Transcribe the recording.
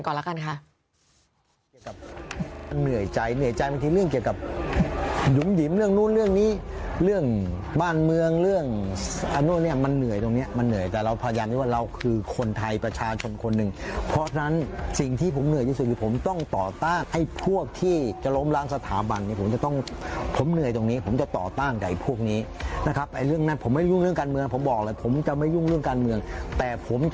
ขอให้คุณผู้ชมดูบางส่วนก่อนละกันค่ะ